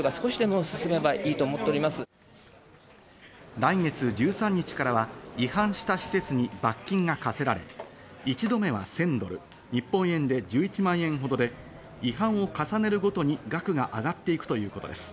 来月１３日からは違反した施設に罰金が科せられ、１度目は１０００ドル、日本円で１１万円ほどで、違反を重ねるごとに額が上がっていくということです。